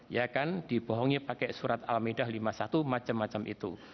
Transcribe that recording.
ya kan dibohongi pakai surat al ma'idah lima puluh satu macam macam itu